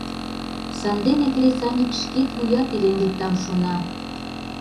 Сандене кресаньык шкет вуят илен лектам шона.